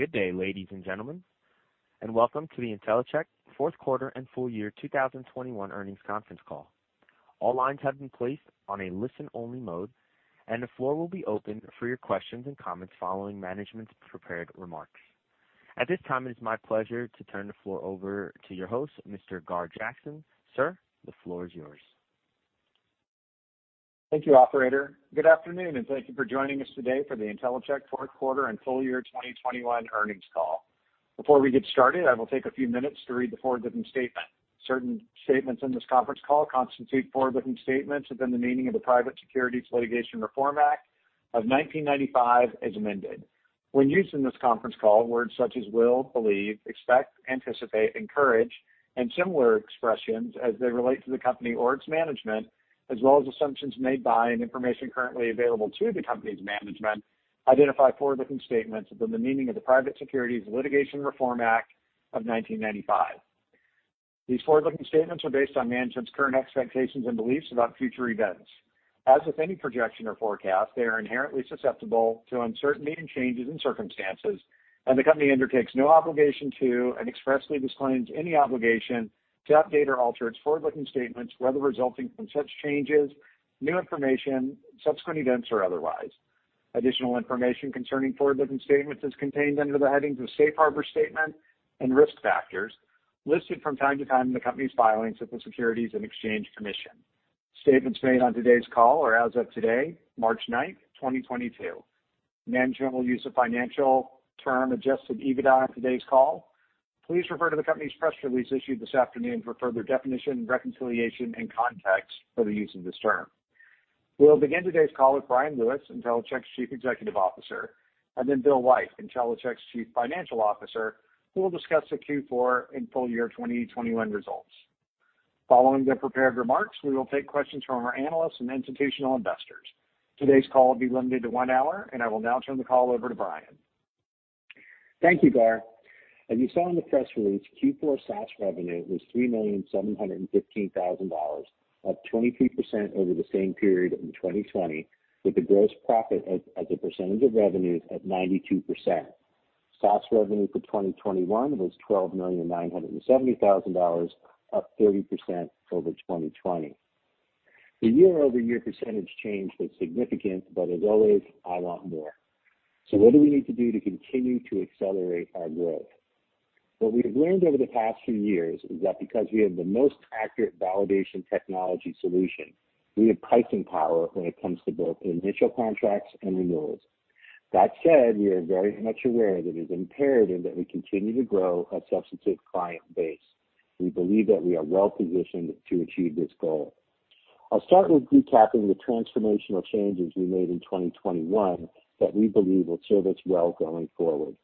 Good day, ladies and gentlemen, and welcome to the Intellicheck fourth quarter and full year 2021 earnings conference call. All lines have been placed on a listen-only mode, and the floor will be open for your questions and comments following management's prepared remarks. At this time, it is my pleasure to turn the floor over to your host, Mr. Gar Jackson. Sir, the floor is yours. Thank you, operator. Good afternoon, and thank you for joining us today for the Intellicheck fourth quarter and full year 2021 earnings call. Before we get started, I will take a few minutes to read the forward-looking statement. Certain statements in this conference call constitute forward-looking statements within the meaning of the Private Securities Litigation Reform Act of 1995, as amended. When used in this conference call, words such as will, believe, expect, anticipate, encourage, and similar expressions as they relate to the company or its management, as well as assumptions made by and information currently available to the company's management, identify forward-looking statements within the meaning of the Private Securities Litigation Reform Act of 1995. These forward-looking statements are based on management's current expectations and beliefs about future events. As with any projection or forecast, they are inherently susceptible to uncertainty and changes in circumstances, and the company undertakes no obligation to, and expressly disclaims any obligation to update or alter its forward-looking statements, whether resulting from such changes, new information, subsequent events, or otherwise. Additional information concerning forward-looking statements is contained under the headings of Safe Harbor Statement and Risk Factors listed from time to time in the company's filings with the Securities and Exchange Commission. Statements made on today's call are as of today, March 9, 2022. Management will use the financial term adjusted EBITDA on today's call. Please refer to the company's press release issued this afternoon for further definition, reconciliation, and context for the use of this term. We'll begin today's call with Bryan Lewis, Intellicheck's Chief Executive Officer, and then Bill White, Intellicheck's Chief Financial Officer, who will discuss the Q4 and full year 2021 results. Following their prepared remarks, we will take questions from our analysts and institutional investors. Today's call will be limited to one hour, and I will now turn the call over to Bryan. Thank you, Gar. As you saw in the press release, Q4 SaaS revenue was $3,715,000, up 23% over the same period in 2020, with the gross profit as a percentage of revenue at 92%. SaaS revenue for 2021 was $12,970,000, up 30% over 2020. The year-over-year percentage change was significant, but as always, I want more. What do we need to do to continue to accelerate our growth? What we have learned over the past few years is that because we have the most accurate validation technology solution, we have pricing power when it comes to both initial contracts and renewals. That said, we are very much aware that it is imperative that we continue to grow a substantive client base. We believe that we are well-positioned to achieve this goal. I'll start with recapping the transformational changes we made in 2021 that we believe will serve us well going forward.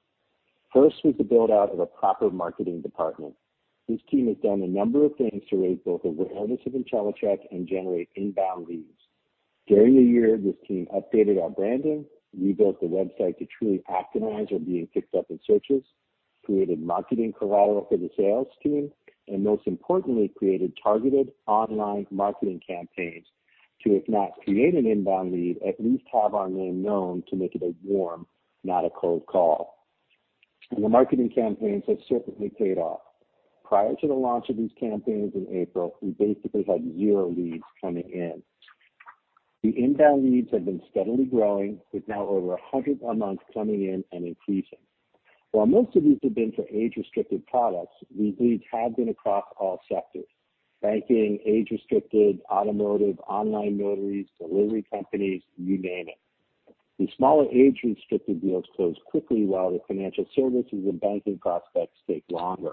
First was the build-out of a proper marketing department. This team has done a number of things to raise both awareness of Intellicheck and generate inbound leads. During the year, this team updated our branding, rebuilt the website to truly optimize for being picked up in searches, created marketing collateral for the sales team, and most importantly, created targeted online marketing campaigns to, if not create an inbound lead, at least have our name known to make it a warm, not a cold call. The marketing campaigns have certainly paid off. Prior to the launch of these campaigns in April, we basically had 0 leads coming in. The inbound leads have been steadily growing, with now over 100 a month coming in and increasing. While most of these have been for age-restricted products, these leads have been across all sectors, banking, age-restricted, automotive, online notaries, delivery companies, you name it. The smaller age-restricted deals close quickly, while the financial services and banking prospects take longer.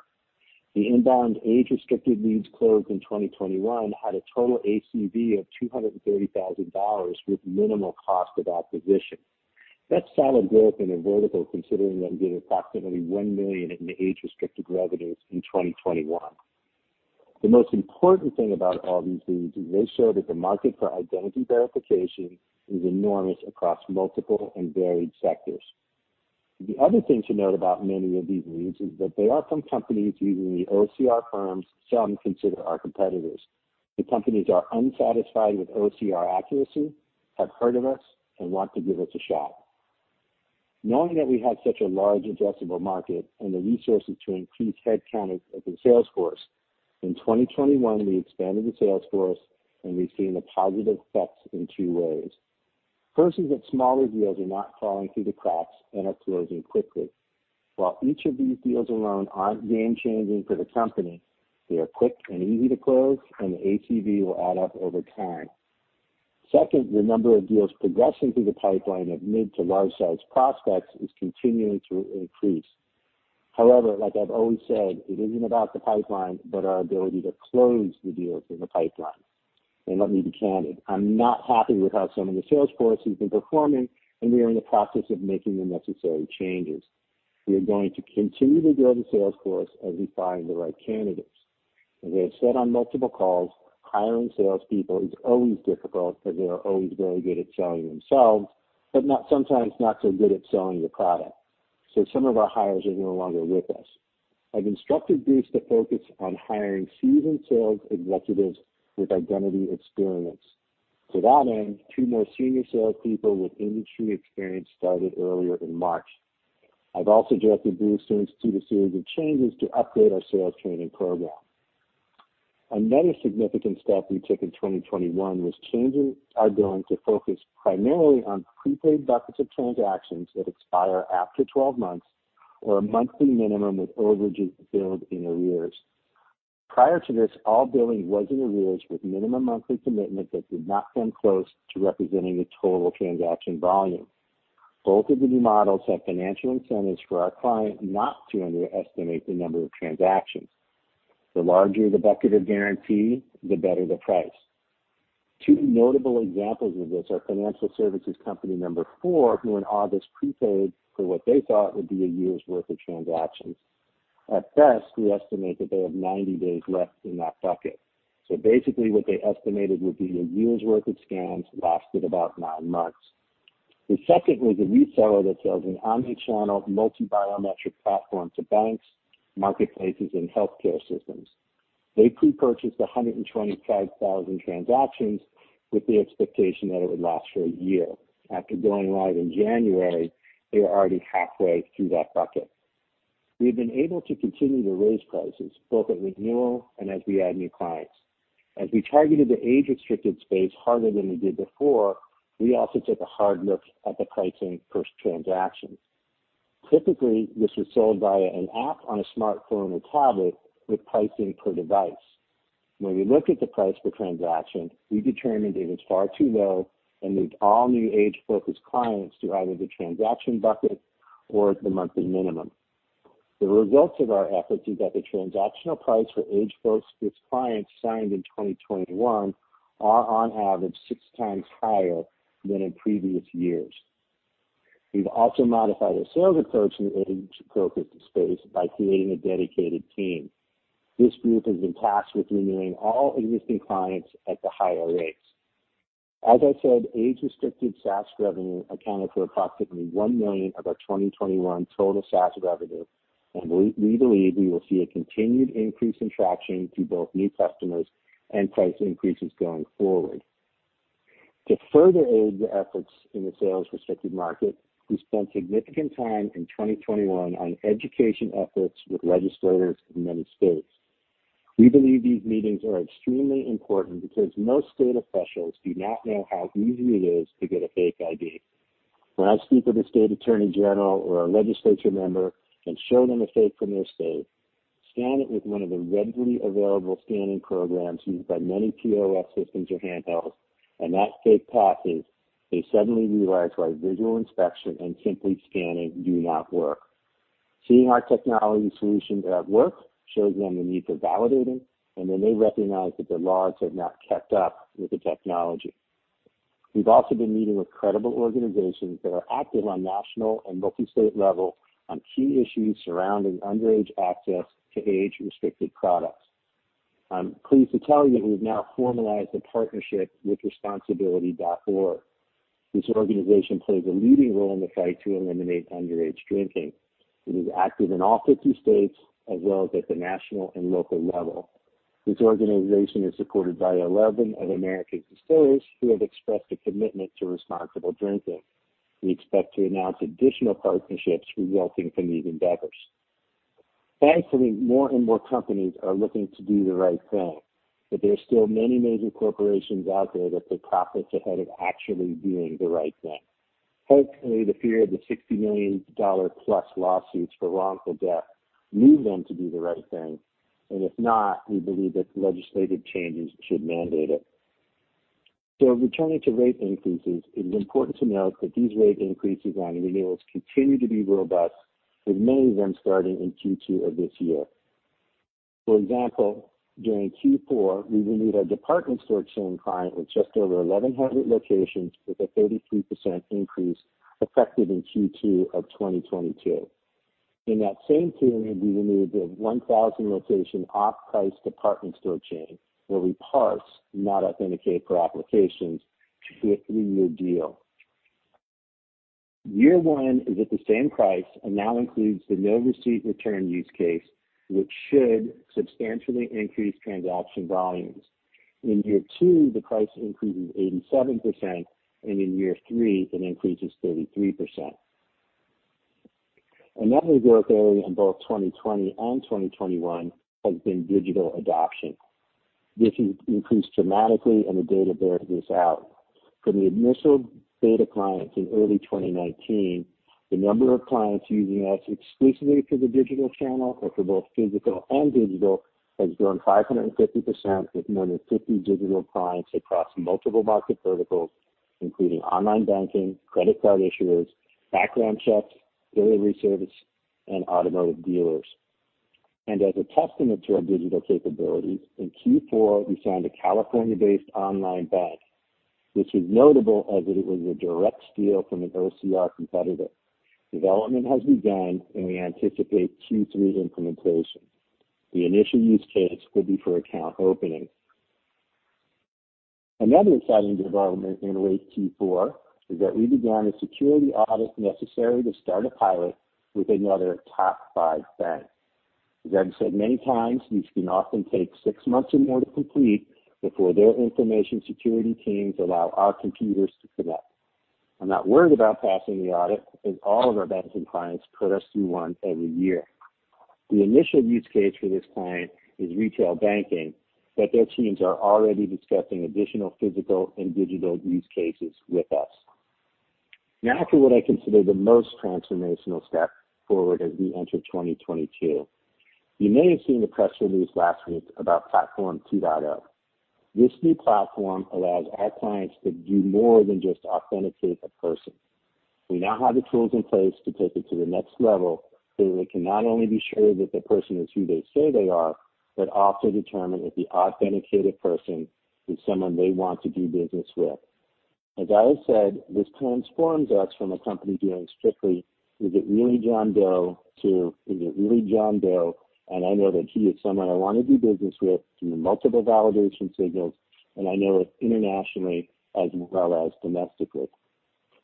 The inbound age-restricted leads closed in 2021 had a total ACV of $230,000 with minimal cost of acquisition. That's solid growth in a vertical, considering that we did approximately $1 million in age-restricted revenues in 2021. The most important thing about all these leads is they show that the market for identity verification is enormous across multiple and varied sectors. The other thing to note about many of these leads is that they are from companies using the OCR firms some consider our competitors. The companies are unsatisfied with OCR accuracy, have heard of us, and want to give us a shot. Knowing that we have such a large addressable market and the resources to increase headcount of the sales force, in 2021, we expanded the sales force, and we've seen the positive effects in two ways. First is that smaller deals are not falling through the cracks and are closing quickly. While each of these deals alone aren't game-changing for the company, they are quick and easy to close, and the ACV will add up over time. Second, the number of deals progressing through the pipeline of mid to large-sized prospects is continuing to increase. However, like I've always said, it isn't about the pipeline, but our ability to close the deals in the pipeline. Let me be candid, I'm not happy with how some of the sales force has been performing, and we are in the process of making the necessary changes. We are going to continue to build a sales force as we find the right candidates. As I have said on multiple calls, hiring salespeople is always difficult because they are always very good at selling themselves, but sometimes not so good at selling the product, so some of our hires are no longer with us. I've instructed Bruce to focus on hiring seasoned sales executives with identity experience. To that end, two more senior salespeople with industry experience started earlier in March. I've also directed Bruce to do a series of changes to upgrade our sales training program. Another significant step we took in 2021 was changing our billing to focus primarily on prepaid buckets of transactions that expire after 12 months or a monthly minimum with overages billed in arrears. Prior to this, all billing was in arrears with minimum monthly commitment that did not come close to representing the total transaction volume. Both of the new models have financial incentives for our client not to underestimate the number of transactions. The larger the bucket of guarantee, the better the price. Two notable examples of this are financial services company number four, who in August prepaid for what they thought would be a year's worth of transactions. At best, we estimate that they have 90 days left in that bucket. Basically what they estimated would be a year's worth of scans lasted about nine months. The second was a reseller that sells an omnichannel multi-biometric platform to banks, marketplaces, and healthcare systems. They pre-purchased 125,000 transactions with the expectation that it would last for a year. After going live in January, they are already halfway through that bucket. We've been able to continue to raise prices both at renewal and as we add new clients. As we targeted the age-restricted space harder than we did before, we also took a hard look at the pricing per transaction. Typically, this was sold via an app on a smartphone or tablet with pricing per device. When we looked at the price per transaction, we determined it was far too low and moved all new age focused clients to either the transaction bucket or the monthly minimum. The results of our efforts is that the transactional price for age-focused clients signed in 2021 are on average six times higher than in previous years. We've also modified our sales approach in the age-focused space by creating a dedicated team. This group has been tasked with renewing all existing clients at the higher rates. As I said, age-restricted SaaS revenue accounted for approximately $1 million of our 2021 total SaaS revenue, and we believe we will see a continued increase in traction through both new customers and price increases going forward. To further aid the efforts in the age-restricted market, we spent significant time in 2021 on education efforts with legislators in many states. We believe these meetings are extremely important because most state officials do not know how easy it is to get a fake ID. When I speak with a state attorney general or a legislature member and show them a fake from their state, scan it with one of the readily available scanning programs used by many POS systems or handhelds, and that fake passes, they suddenly realize why visual inspection and simply scanning do not work. Seeing our technology solution at work shows them the need for validating, and then they recognize that the laws have not kept up with the technology. We've also been meeting with credible organizations that are active on national and multi-state level on key issues surrounding underage access to age-restricted products. I'm pleased to tell you that we've now formalized a partnership with Responsibility.org. This organization plays a leading role in the fight to eliminate underage drinking. It is active in all fifty states as well as at the national and local level. This organization is supported by 11 of America's distilleries who have expressed a commitment to responsible drinking. We expect to announce additional partnerships resulting from these endeavors. Thankfully, more and more companies are looking to do the right thing, but there are still many major corporations out there that put profits ahead of actually doing the right thing. Hopefully, the fear of the $60 million-plus lawsuits for wrongful death move them to do the right thing. If not, we believe that legislative changes should mandate it. Returning to rate increases, it is important to note that these rate increases on renewals continue to be robust, with many of them starting in Q2 of this year. For example, during Q4, we renewed our department store chain client with just over 1,100 locations with a 33% increase effective in Q2 of 2022. In that same quarter, we renewed a 1,000 location off-price department store chain where we parse, not authenticate for applications to a three-year deal. Year one is at the same price and now includes the no receipt return use case, which should substantially increase transaction volumes. In year two, the price increases 87%, and in year three, it increases 33%. Another work area in both 2020 and 2021 has been digital adoption. This has increased dramatically, and the data bears this out. From the initial beta clients in early 2019, the number of clients using us exclusively through the digital channel or for both physical and digital has grown 550%, with more than 50 digital clients across multiple market verticals, including online banking, credit card issuers, background checks, delivery service, and automotive dealers. As a testament to our digital capabilities, in Q4, we signed a California-based online bank, which is notable as it was a direct steal from an OCR competitor. Development has begun, and we anticipate Q3 implementation. The initial use case will be for account opening. Another exciting development in late Q4 is that we began a security audit necessary to start a pilot with another top five bank. As I've said many times, these can often take six months or more to complete before their information security teams allow our computers to connect. I'm not worried about passing the audit as all of our banking clients put us through one every year. The initial use case for this client is retail banking, but their teams are already discussing additional physical and digital use cases with us. Now for what I consider the most transformational step forward as we enter 2022. You may have seen the press release last week about Platform 2.0. This new platform allows our clients to do more than just authenticate a person. We now have the tools in place to take it to the next level, so they can not only be sure that the person is who they say they are, but also determine if the authenticated person is someone they want to do business with. As I have said, this transforms us from a company dealing strictly, is it really John Doe to is it really John Doe, and I know that he is someone I want to do business with through multiple validation signals, and I know it internationally as well as domestically.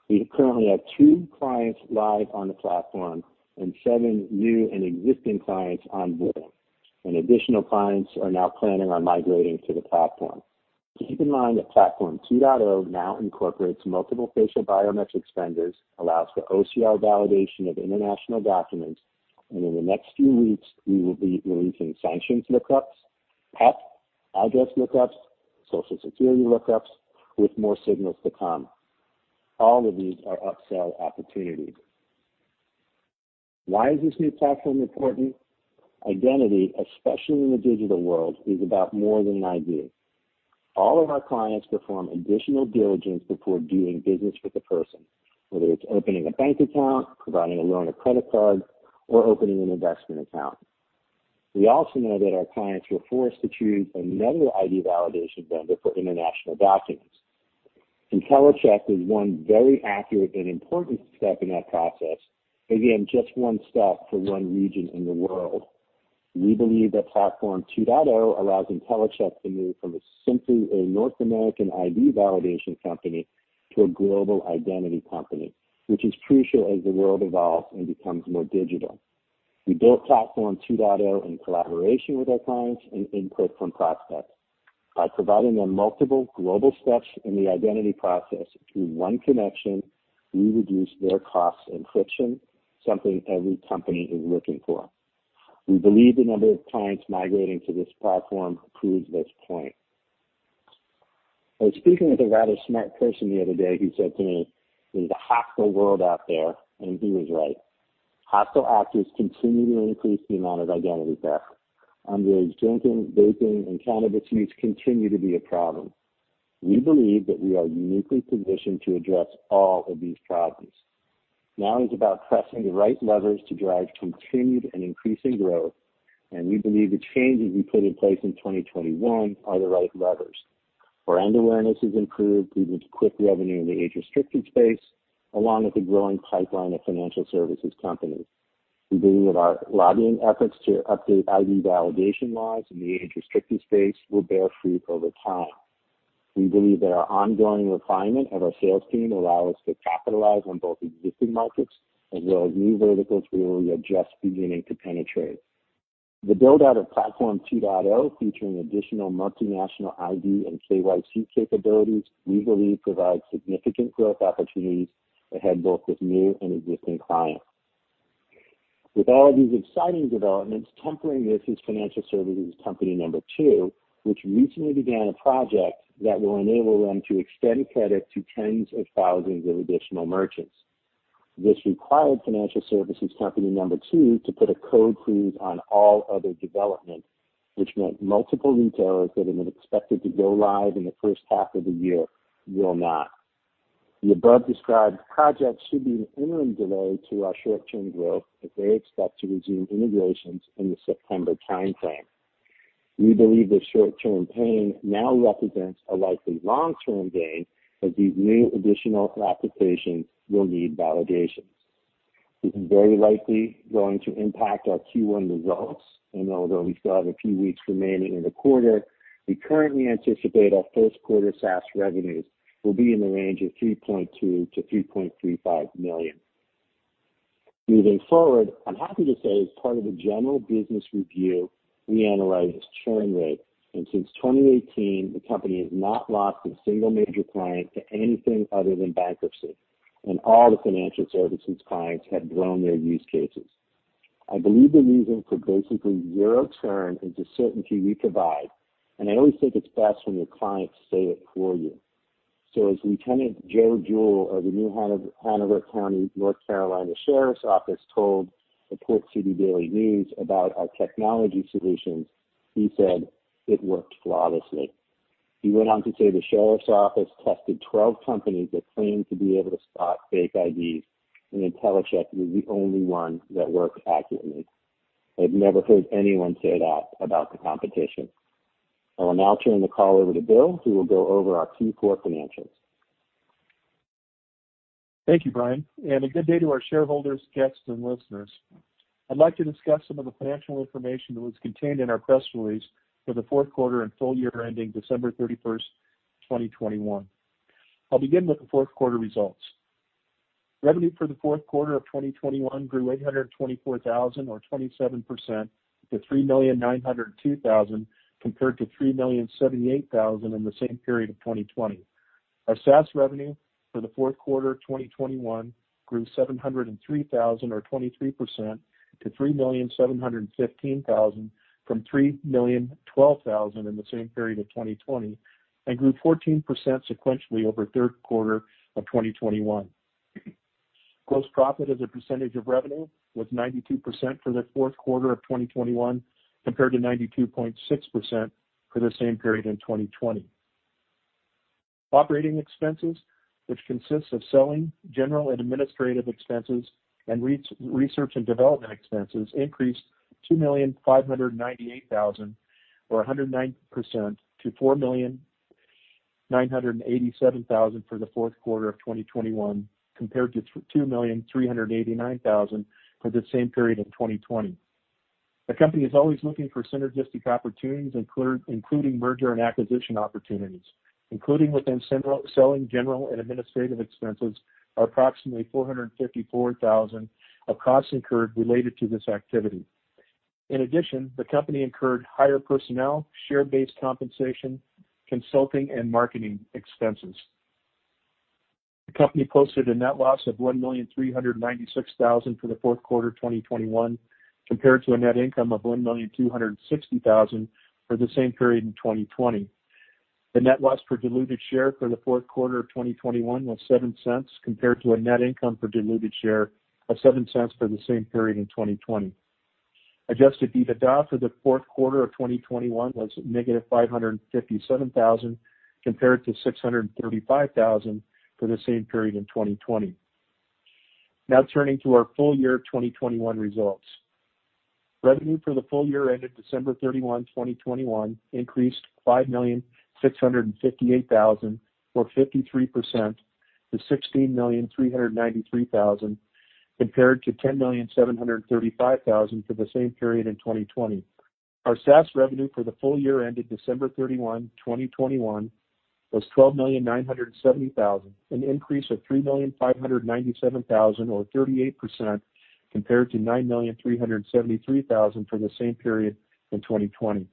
We currently have two clients live on the platform and seven new and existing clients onboarding, and additional clients are now planning on migrating to the platform. Keep in mind that Platform 2.0 now incorporates multiple facial biometrics vendors, allows for OCR validation of international documents, and in the next few weeks we will be releasing sanctions lookups, PEP, address lookups, Social Security lookups with more signals to come. All of these are upsell opportunities. Why is this new platform important? Identity, especially in the digital world, is about more than an ID. All of our clients perform additional diligence before doing business with a person, whether it's opening a bank account, providing a loan or credit card, or opening an investment account. We also know that our clients were forced to choose another ID validation vendor for international documents. Intellicheck is one very accurate and important step in that process. Again, just one step for one region in the world. We believe that Platform 2.0 allows Intellicheck to move from simply a North American ID validation company to a global identity company, which is crucial as the world evolves and becomes more digital. We built Platform 2.0 in collaboration with our clients and input from prospects. By providing them multiple global steps in the identity process through one connection, we reduce their costs and friction, something every company is looking for. We believe the number of clients migrating to this platform proves this point. I was speaking with a rather smart person the other day who said to me, "There's a hostile world out there," and he was right. Hostile actors continue to increase the amount of identity theft. Underage drinking, vaping, and cannabis use continue to be a problem. We believe that we are uniquely positioned to address all of these problems. Now is about pressing the right levers to drive continued and increasing growth, and we believe the changes we put in place in 2021 are the right levers. Brand awareness has improved, leading to quick revenue in the age-restricted space, along with a growing pipeline of financial services companies. We believe that our lobbying efforts to update ID validation laws in the age-restricted space will bear fruit over time. We believe that our ongoing refinement of our sales team allow us to capitalize on both existing markets as well as new verticals we are just beginning to penetrate. The build-out of Platform 2.0, featuring additional multinational ID and KYC capabilities, we believe provide significant growth opportunities ahead, both with new and existing clients. With all these exciting developments, tempering this is financial services company number two, which recently began a project that will enable them to extend credit to tens of thousands of additional merchants. This required financial services company number two to put a code freeze on all other development, which meant multiple retailers that have been expected to go live in the first half of the year will not. The above described projects should be an interim delay to our short-term growth, as they expect to resume integrations in the September timeframe. We believe the short-term pain now represents a likely long-term gain, as these new additional applications will need validations. This is very likely going to impact our Q1 results, and although we still have a few weeks remaining in the quarter, we currently anticipate our first quarter SaaS revenues will be in the range of $3.2 million-$3.35 million. Moving forward, I'm happy to say as part of a general business review, we analyzed churn rate, and since 2018 the company has not lost a single major client to anything other than bankruptcy, and all the financial services clients have grown their use cases. I believe the reason for basically zero churn is the certainty we provide, and I always think it's best when your clients say it for you. As Lieutenant Joe Jewell of the New Hanover County, North Carolina, Sheriff's Office told the Port City Daily about our technology solutions, he said, "It worked flawlessly." He went on to say the sheriff's office tested 12 companies that claimed to be able to spot fake IDs, and Intellicheck was the only one that worked accurately. I've never heard anyone say that about the competition. I will now turn the call over to Bill, who will go over our Q4 financials. Thank you, Bryan, and a good day to our shareholders, guests, and listeners. I'd like to discuss some of the financial information that was contained in our press release for the fourth quarter and full year ending December 31, 2021. I'll begin with the fourth quarter results. Revenue for the fourth quarter of 2021 grew $824,000 or 27% to $3,902,000, compared to $3,078,000 in the same period of 2020. Our SaaS revenue for the fourth quarter of 2021 grew $703,000 or 23% to $3,715,000 from $3,012,000 in the same period of 2020, and grew 14% sequentially over third quarter of 2021. Gross profit as a percentage of revenue was 92% for the fourth quarter of 2021, compared to 92.6% for the same period in 2020. Operating expenses, which consists of selling, general and administrative expenses and research and development expenses, increased two million five hundred and ninety-eight thousand or 109% to $4.987 million for the fourth quarter of 2021, compared to $2.389 million for the same period of 2020. The company is always looking for synergistic opportunities, including merger and acquisition opportunities, including within selling general and administrative expenses approximately $454,000 of costs incurred related to this activity. In addition, the company incurred higher personnel, share-based compensation, consulting, and marketing expenses. The company posted a net loss of $1.396 million for the fourth quarter of 2021, compared to a net income of $1.26 million for the same period in 2020. The net loss per diluted share for the fourth quarter of 2021 was -$0.07, compared to a net income per diluted share of $0.07 for the same period in 2020. Adjusted EBITDA for the fourth quarter of 2021 was -$557 thousand, compared to $635 thousand for the same period in 2020. Now turning to our full year 2021 results. Revenue for the full year ended December 31, 2021 increased $5,658,000 or 53% to $16,393,000, compared to $10,735,000 for the same period in 2020. Our SaaS revenue for the full year ended December 31, 2021 was $12,970,000, an increase of $3,597,000 or 38% compared to $9,373,000 for the same period in 2020.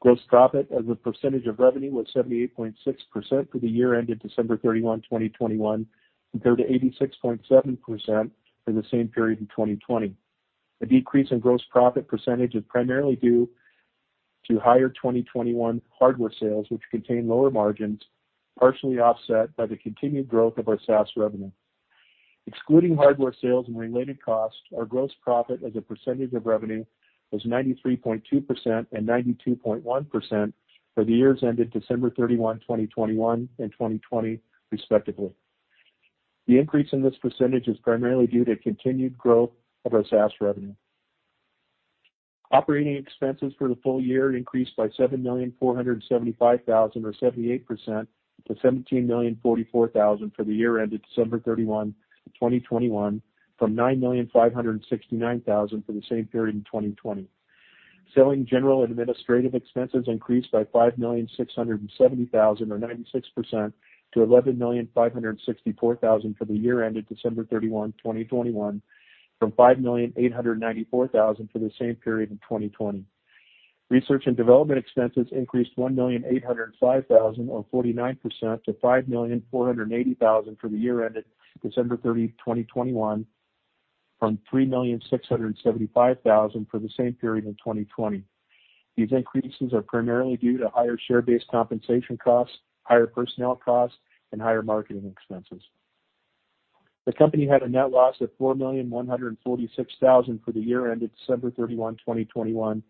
Gross profit as a percentage of revenue was 78.6% for the year ended December 31, 2021 compared to 86.7% for the same period in 2020. A decrease in gross profit percentage is primarily due to higher 2021 hardware sales, which contain lower margins, partially offset by the continued growth of our SaaS revenue. Excluding hardware sales and related costs, our gross profit as a percentage of revenue was 93.2% and 92.1% for the years ended December 31, 2021 and 2020, respectively. The increase in this percentage is primarily due to continued growth of our SaaS revenue. Operating expenses for the full year increased by $7.475 million or 78% to $17.044 million for the year ended December 31, 2021 from $9.569 million for the same period in 2020. Selling, general and administrative expenses increased by $5.67 million or 96% to $11.56 million for the year ended December 31, 2021 from $5.89 million for the same period in 2020. Research and development expenses increased $1.805 million or 49% to $5.48 million for the year ended December 31, 2021 from $3.675 million for the same period in 2020. These increases are primarily due to higher share-based compensation costs, higher personnel costs, and higher marketing expenses. The company had a net loss of $4,146,000 for the year ended December 31, 2021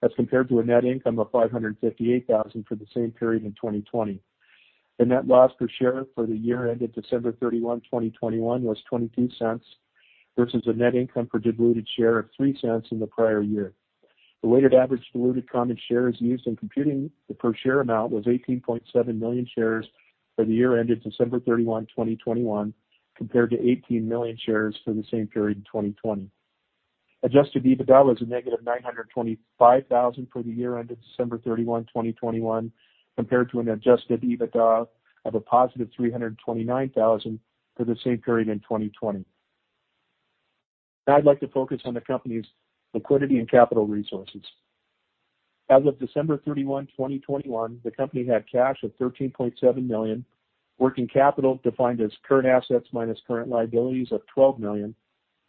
as compared to a net income of $558,000 for the same period in 2020. The net loss per share for the year ended December 31, 2021 was $0.22, versus a net income per diluted share of $0.03 in the prior year. The weighted average diluted common shares used in computing the per share amount was 18.7 million shares for the year ended December 31, 2021 compared to 18 million shares for the same period in 2020. Adjusted EBITDA was negative $925,000 for the year ended December 31, 2021 compared to adjusted EBITDA of positive $329,000 for the same period in 2020. Now I'd like to focus on the company's liquidity and capital resources. As of December 31, 2021 the company had cash of $13.7 million, working capital defined as current assets minus current liabilities of $12 million,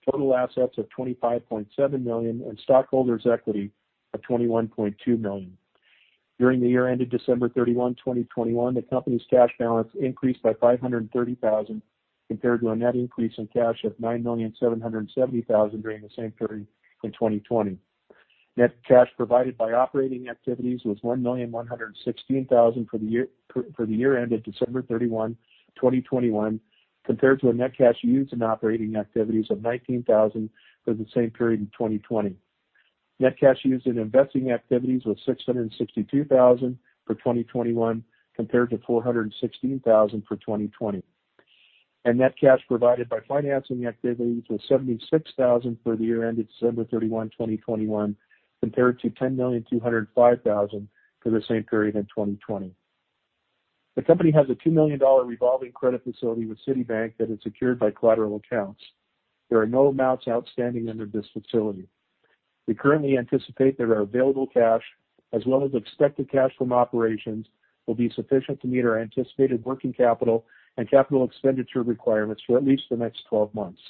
total assets of $25.7 million, and stockholders' equity of $21.2 million. During the year ended December 31, 2021 the company's cash balance increased by $530 thousand, compared to a net increase in cash of $9.77 million during the same period in 2020. Net cash provided by operating activities was $1.116 million for the year ended December 31, 2021 compared to a net cash used in operating activities of $19 thousand for the same period in 2020. Net cash used in investing activities was $662,000 for 2021, compared to $416,000 for 2020. Net cash provided by financing activities was $76,000 for the year ended December 31, 2021 compared to $10,205,000 for the same period in 2020. The company has a $2 million revolving credit facility with Citibank that is secured by collateral accounts. There are no amounts outstanding under this facility. We currently anticipate that our available cash as well as expected cash from operations will be sufficient to meet our anticipated working capital and capital expenditure requirements for at least the next 12 months.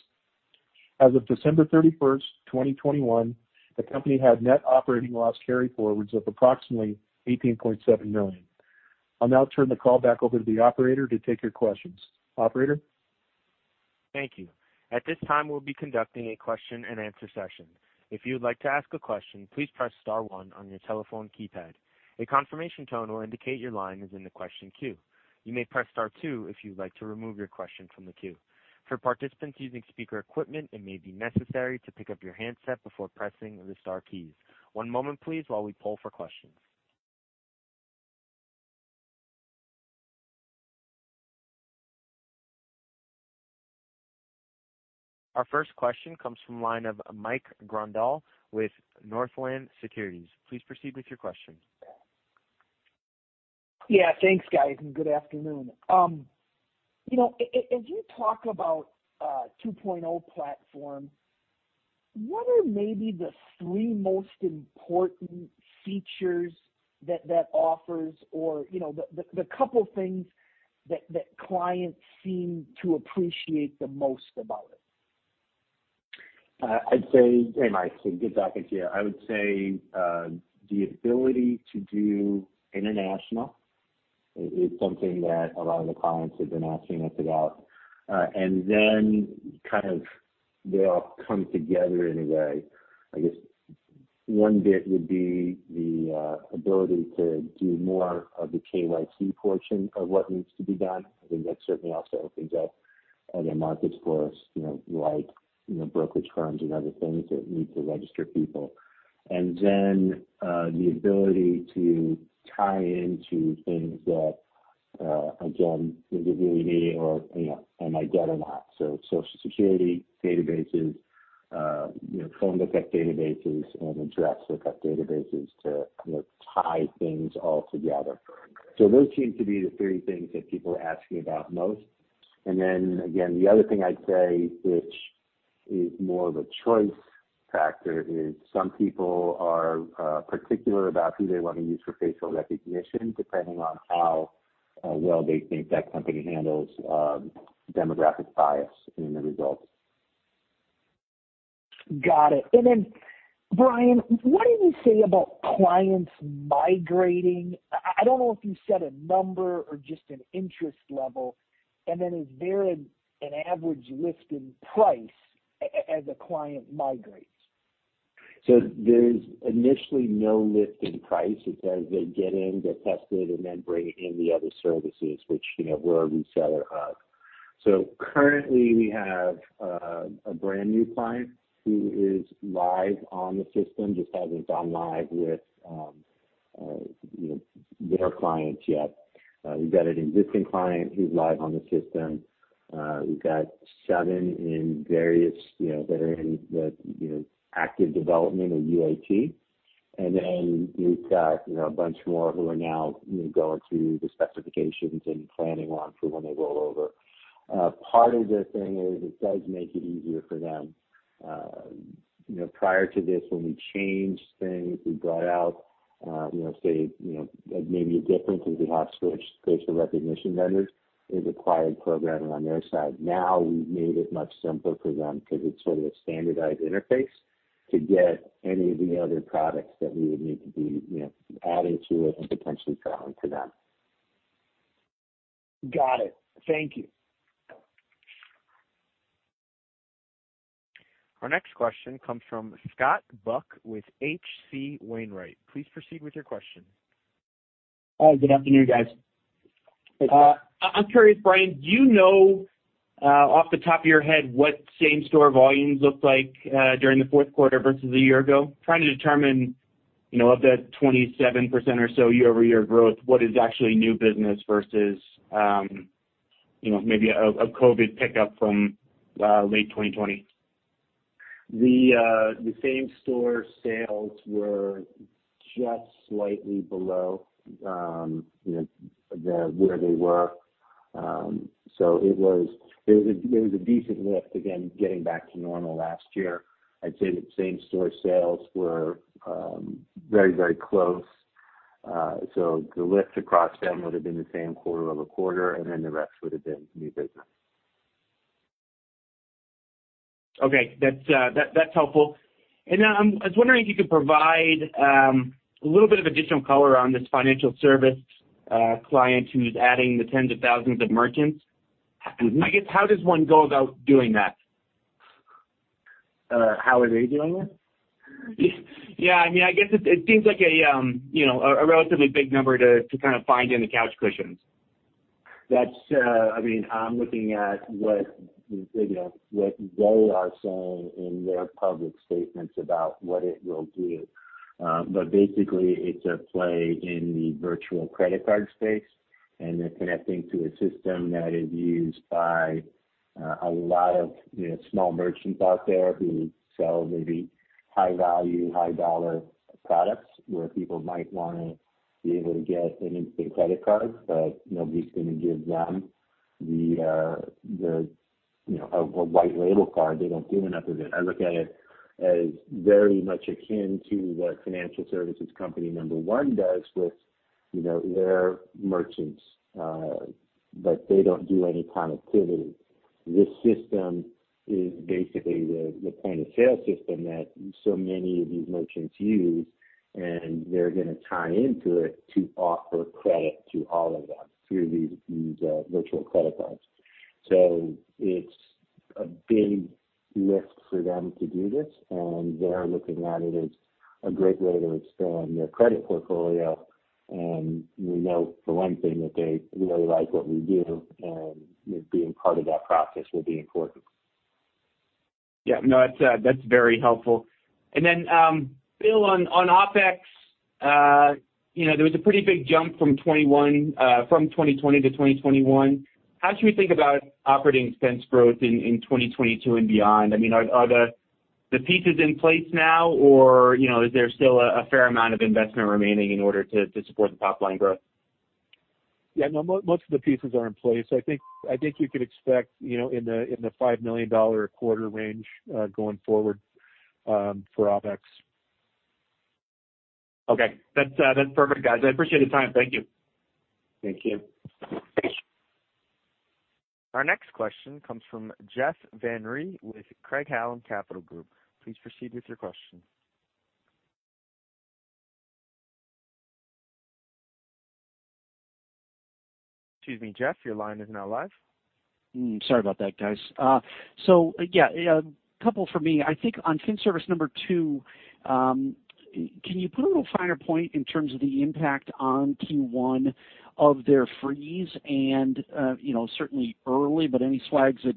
As of December 31, 2021 the company had net operating loss carryforwards of approximately $18.7 million. I'll now turn the call back over to the operator to take your questions. Operator? Thank you. At this time, we'll be conducting a question-and-answer session. If you'd like to ask a question, please press star one on your telephone keypad. A confirmation tone will indicate your line is in the question queue. You may press star two if you'd like to remove your question from the queue. For participants using speaker equipment, it may be necessary to pick up your handset before pressing the star keys. One moment please while we poll for questions. Our first question comes from the line of Mike Grondahl with Northland Securities. Please proceed with your question. Yeah, thanks, guys, and good afternoon. You know, as you talk about Platform 2.0, what are maybe the three most important features that offers or, you know, the couple things that clients seem to appreciate the most about it? I'd say, Hey, Mike, good talking to you. I would say, the ability to do international is something that a lot of the clients have been asking us about. Kind of they all come together in a way. I guess one bit would be the ability to do more of the KYC portion of what needs to be done. I think that certainly also opens up other markets for us, you know, like, you know, brokerage firms and other things that need to register people. The ability to tie into things that, again, is it really me or, you know, am I dead or not? Social Security databases, you know, phone lookup databases and address lookup databases to, you know, tie things all together. Those seem to be the three things that people are asking about most. Then again, the other thing I'd say, which is more of a choice factor, is some people are particular about who they want to use for facial recognition, depending on how well they think that company handles demographic bias in the results. Got it. Then, Bryan, what did you say about clients migrating? I don't know if you said a number or just an interest level, and then is there an average lift in price as a client migrates? There's initially no lift in price. It's as they get in, they're tested, and then bring in the other services which, you know, we're a reseller of. Currently we have a brand new client who is live on the system, just hasn't gone live with, you know, their clients yet. We've got an existing client who's live on the system. We've got seven in various, you know, that are in the, you know, active development or UAT. Then we've got, you know, a bunch more who are now, you know, going through the specifications and planning on for when they roll over. Part of the thing is it does make it easier for them. You know, prior to this, when we changed things, we brought out, you know, say, you know, maybe a different, because we have switched facial recognition vendors, it required programming on their side. Now we've made it much simpler for them because it's sort of a standardized interface to get any of the other products that we would need to be, you know, adding to it and potentially selling to them. Got it. Thank you. Our next question comes from Scott Buck with H.C. Wainwright. Please proceed with your question. Hi, good afternoon, guys. Hey, Scott. I'm curious, Bryan, do you know, off the top of your head what same-store volumes looked like, during the fourth quarter versus a year ago? Trying to determine, you know, of that 27% or so year-over-year growth, what is actually new business versus, you know, maybe a COVID pickup from, late 2020. The same store sales were just slightly below where they were. It was a decent lift. Again, getting back to normal last year, I'd say that same store sales were very close. The lift across them would have been the same quarter-over-quarter, and then the rest would have been new business. Okay. That's helpful. I was wondering if you could provide a little bit of additional color on this financial service client who's adding the tens of thousands of merchants. Mm-hmm. I guess, how does one go about doing that? How are they doing that? Yeah. I mean, I guess it seems like a you know, a relatively big number to kind of find in the couch cushions. I mean, I'm looking at what you know what they are saying in their public statements about what it will do. Basically it's a play in the virtual credit card space, and they're connecting to a system that is used by a lot of you know small merchants out there who sell maybe high value, high dollar products where people might wanna be able to get an instant credit card, but nobody's gonna give them the you know a white label card. They don't do enough of it. I look at it as very much akin to what financial services company number one does with you know their merchants. They don't do any connectivity. This system is basically the point-of-sale system that so many of these merchants use, and they're gonna tie into it to offer credit to all of them through these virtual credit cards. It's a big lift for them to do this, and they're looking at it as a great way to expand their credit portfolio. We know for one thing that they really like what we do, and, you know, being part of that process will be important. Yeah, no, that's very helpful. Then, Bill, on OpEx, you know, there was a pretty big jump from 2020-2021. How should we think about operating expense growth in 2022 and beyond? I mean, are the pieces in place now, or, you know, is there still a fair amount of investment remaining in order to support the top line growth? Yeah, no, most of the pieces are in place. I think you could expect, you know, in the $5 million a quarter range, going forward, for OpEx. Okay. That's perfect, guys. I appreciate the time. Thank you. Thank you. Thanks. Our next question comes from Jeff Van Rhee with Craig-Hallum Capital Group. Please proceed with your question. Excuse me, Jeff, your line is now live. Sorry about that, guys. Yeah, a couple from me. I think on financial services company number two, can you put a little finer point in terms of the impact on Q1 of their freeze and, you know, certainly early, but any slides that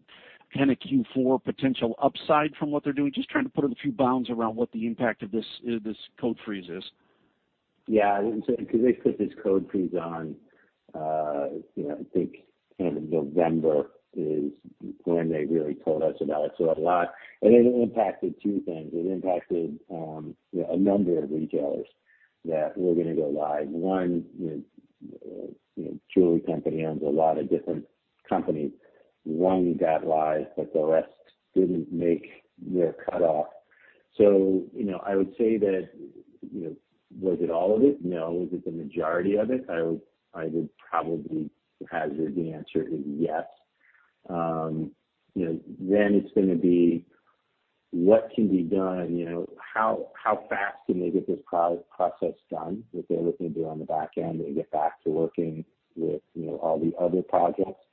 kind of Q4 potential upside from what they're doing? Just trying to put a few bounds around what the impact of this code freeze is. Because they put this code freeze on, you know, I think kind of November is when they really told us about it. A lot. It impacted two things. It impacted, you know, a number of retailers that were gonna go live. One, you know, jewelry company owns a lot of different companies. One got live, but the rest didn't make their cutoff. I would say that, you know, was it all of it? No. Was it the majority of it? I would probably hazard the answer is yes. You know, then it's gonna be what can be done? You know, how fast can they get this process done that they're looking to do on the back end and get back to working with, you know, all the other projects?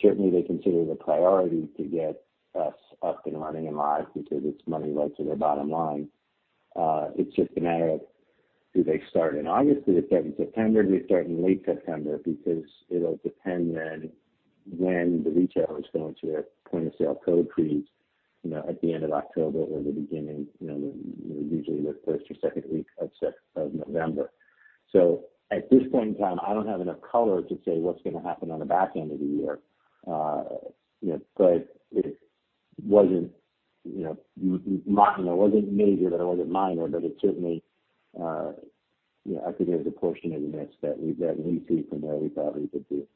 Certainly, they consider the priority to get us up and running and live because it's money right to their bottom line. It's just a matter of do they start in August? Do they start in September? Do they start in late September? Because it'll depend then when the retailer is going through their point of sale code freeze, you know, at the end of October or the beginning, you know, usually the first or second week of November. At this point in time, I don't have enough color to say what's gonna happen on the back end of the year. You know, it wasn't major, but it wasn't minor. It certainly, you know, I think there's a portion of the mix that we see from there we probably could do.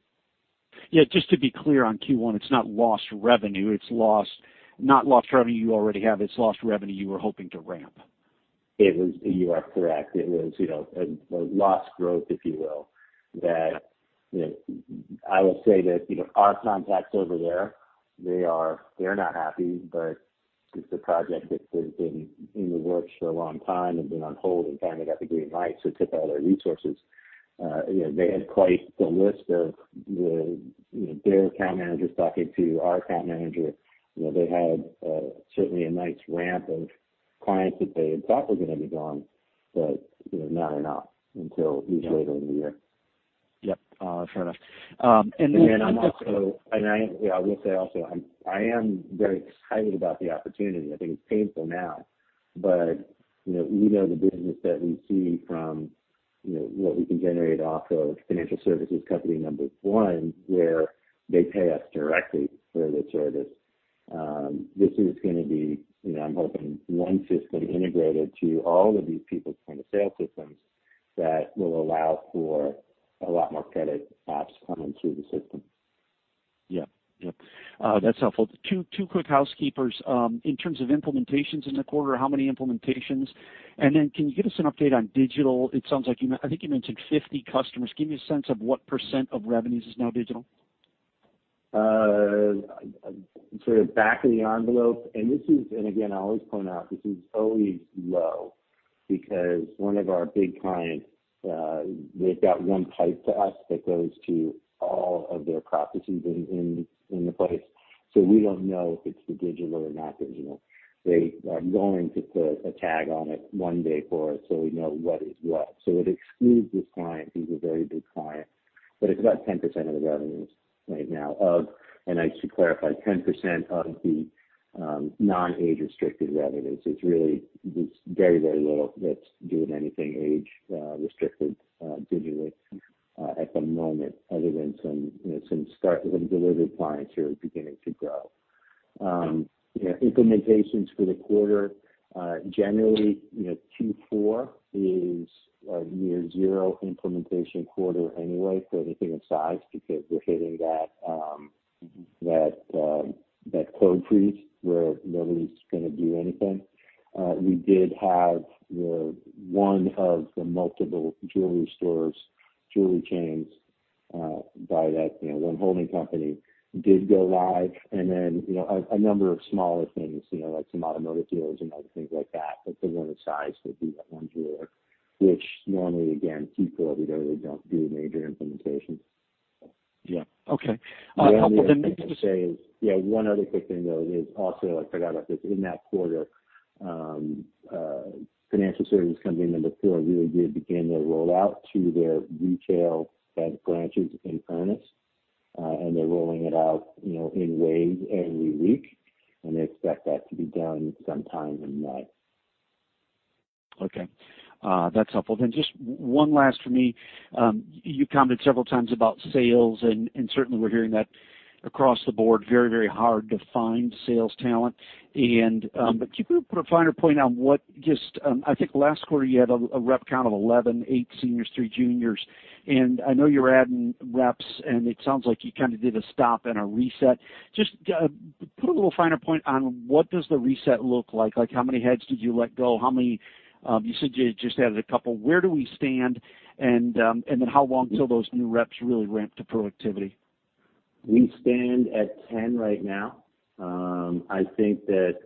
Yeah. Just to be clear on Q1, it's not lost revenue you already have, it's lost revenue you were hoping to ramp. You are correct. It was, you know, a lost growth, if you will, that, you know, I will say that, you know, our contacts over there, they're not happy. It's a project that's been in the works for a long time and been on hold, and finally got the green light, so it took all their resources. You know, they had quite the list of the, you know, their account managers talking to our account manager. You know, they had certainly a nice ramp of clients that they had thought were gonna be going, but, you know, not enough until at least later in the year. Yeah. Yep, fair enough. I'm very excited about the opportunity. You know, I will say also, I am very excited about the opportunity. I think it's painful now, but you know, we know the business that we see from you know, what we can generate off of financial services company number one, where they pay us directly for the service. This is gonna be, you know, I'm hoping one system integrated to all of these people's point-of-sale systems that will allow for a lot more credit apps coming through the system. Yeah. Yep. That's helpful. Two quick housekeeping. In terms of implementations in the quarter, how many implementations? Can you give us an update on digital? It sounds like you mentioned 50 customers. Give me a sense of what % of revenues is now digital. Sort of back of the envelope. This is always low because one of our big clients, they've got one pipe to us that goes to all of their processes in the place. We don't know if it's the digital or not digital. They are going to put a tag on it one day for us, so we know what is what. It excludes this client. He's a very big client, but it's about 10% of the revenues right now. I should clarify, 10% of the non-age restricted revenues. It's really just very, very little that's doing anything age restricted digitally at the moment other than some, you know, some delivery clients who are beginning to grow. Yeah, implementations for the quarter generally, you know, Q4 is a near zero implementation quarter anyway for anything of size because we're hitting that code freeze where nobody's gonna do anything. We did have one of the multiple jewelry stores, jewelry chains by that, you know, one holding company did go live. Then, you know, a number of smaller things, you know, like some automotive deals and other things like that. But the one of size would be the one jeweler, which normally, again, Q4, we normally don't do major implementations. Yeah. Okay. Couple of them. One other quick thing, though, is also I forgot about this. In that quarter, financial services company number four really did begin their rollout to their retail bank branches in earnest, and they're rolling it out, you know, in waves every week, and they expect that to be done sometime in May. Okay. That's helpful. Just one last from me. You commented several times about sales, and certainly we're hearing that across the board, very, very hard to find sales talent. Can you put a finer point on what just, I think last quarter you had a rep count of 11, eight seniors, three juniors. I know you're adding reps, and it sounds like you kinda did a stop and a reset. Just put a little finer point on what does the reset look like? Like, how many heads did you let go? How many. You said you just added a couple. Where do we stand, and then how long till those new reps really ramp to productivity? We stand at 10 right now. I think that,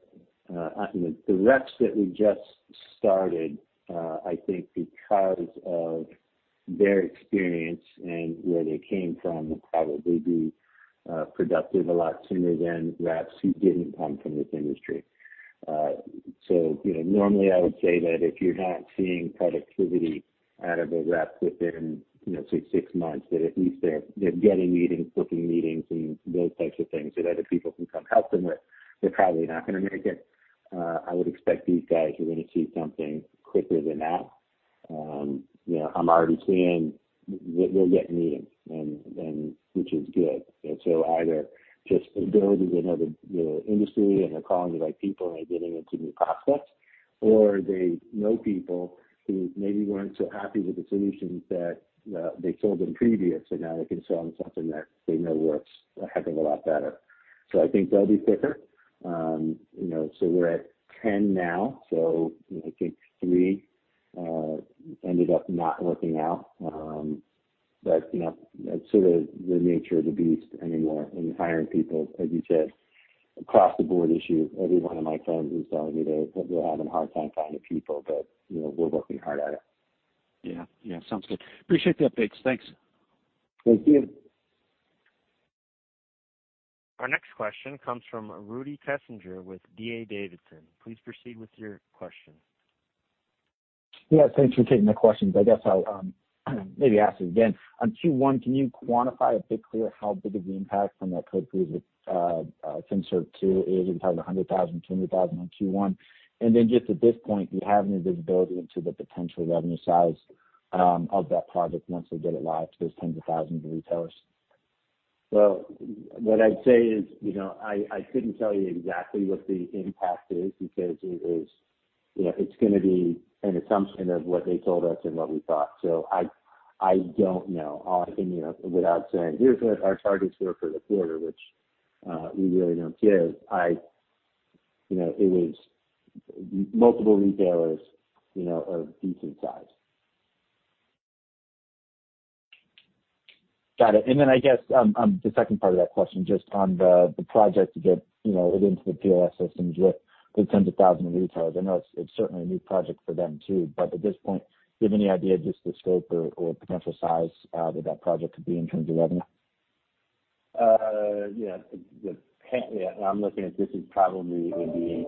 I mean, the reps that we just started, I think because of their experience and where they came from will probably be productive a lot sooner than reps who didn't come from this industry. You know, normally I would say that if you're not seeing productivity out of a rep within, you know, say, six months, that at least they're getting meetings, booking meetings and those types of things, that other people can come help them with, they're probably not gonna make it. I would expect these guys, we're gonna see something quicker than that. You know, I'm already seeing they're getting meetings and which is good. Either just the ability to know the industry and they're calling the right people and they're getting into new prospects, or they know people who maybe weren't so happy with the solutions that they sold them previous, so now they can sell them something that they know works or have been a lot better. I think they'll be quicker. You know, we're at 10 now. I think three ended up not working out. You know, that's sort of the nature of the beast anymore in hiring people, as you said, across the board issue. Every one of my friends is telling me they're having a hard time finding people. You know, we're working hard at it. Yeah. Yeah. Sounds good. Appreciate the updates. Thanks. Thank you. Our next question comes from Rudy Kessinger with D.A. Davidson. Please proceed with your question. Yeah, thanks for taking the questions. I guess I'll maybe ask it again. On Q1, can you quantify a bit clearer how big of the impact from that code freeze with FinServ 2 is? Are you talking $100,000-$200,000 on Q1? Just at this point, do you have any visibility into the potential revenue size of that project once we get it live to those tens of thousands of retailers? Well, what I'd say is, you know, I couldn't tell you exactly what the impact is because it is, you know, it's gonna be an assumption of what they told us and what we thought. I don't know. All I can, you know, without saying, "Here's what our targets were for the quarter," which we really don't give. You know, it was multiple retailers, you know, of decent size. Got it. I guess, on the second part of that question, just on the project to get, you know, it into the POS systems with the tens of thousands of retailers. I know it's certainly a new project for them too, but at this point, do you have any idea just the scope or potential size that project could be in terms of revenue? I'm looking at this as probably would be,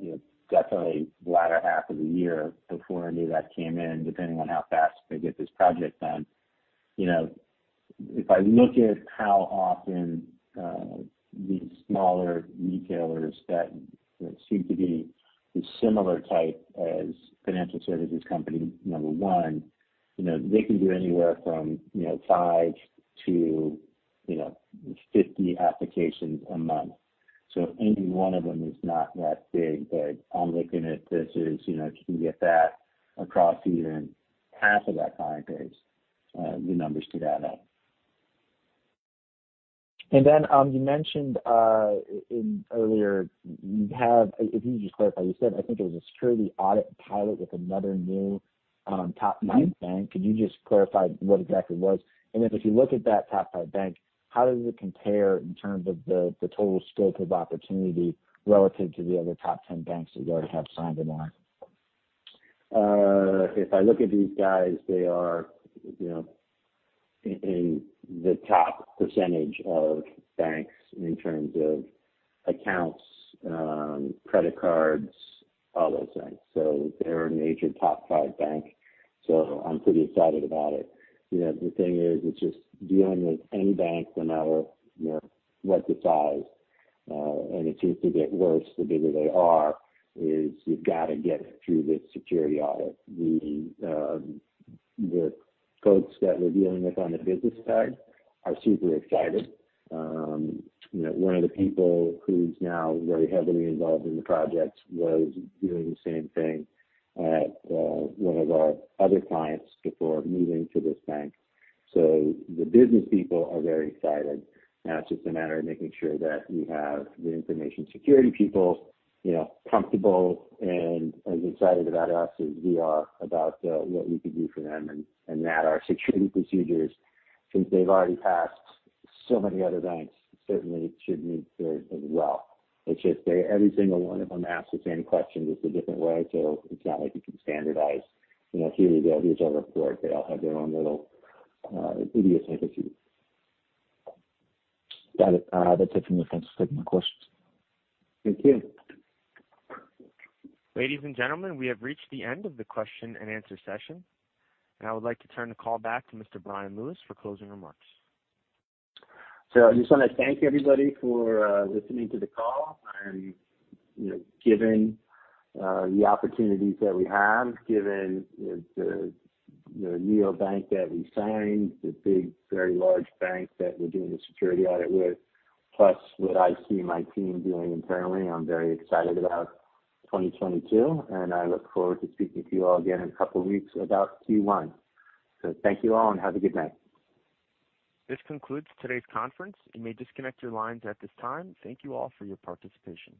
you know, definitely the latter half of the year before any of that came in, depending on how fast they get this project done. You know, if I look at how often these smaller retailers that seem to be the similar type as financial services company number one, you know, they can do anywhere from, you know, five to 50 applications a month. So any one of them is not that big, but I'm looking at this as, you know, if you can get that across even half of that client base, the numbers do add up. If you could just clarify, you said, I think it was a security audit pilot with another new top five bank. Mm-hmm. Could you just clarify what exactly it was? Then if you look at that top five bank, how does it compare in terms of the total scope of opportunity relative to the other top ten banks that you already have signed them on? If I look at these guys, they are, you know, in the top percentage of banks in terms of accounts, credit cards, all those things. They're a major top five bank, so I'm pretty excited about it. You know, the thing is, it's just dealing with any bank, no matter, you know, what the size, and it seems to get worse the bigger they are, is you've gotta get through the security audit. The folks that we're dealing with on the business side are super excited. You know, one of the people who's now very heavily involved in the projects was doing the same thing at one of our other clients before moving to this bank. The business people are very excited. Now it's just a matter of making sure that we have the information security people, you know, comfortable and as excited about us as we are about what we could do for them, and that our security procedures, since they've already passed so many other banks, certainly should meet theirs as well. It's just every single one of them asks the same questions just a different way, so it's not like you can standardize. You know, here you go, here's our report. They all have their own little idiosyncrasies. Got it. That's it from me. Thanks for taking the questions. Thank you. Ladies and gentlemen, we have reached the end of the question and answer session, and I would like to turn the call back to Mr. Bryan Lewis for closing remarks. I just wanna thank everybody for listening to the call. You know, given the opportunities that we have, given the neobank that we signed, the big, very large bank that we're doing the security audit with, plus what I see my team doing internally, I'm very excited about 2022, and I look forward to speaking to you all again in a couple weeks about Q1. Thank you all, and have a good night. This concludes today's conference. You may disconnect your lines at this time. Thank you all for your participation.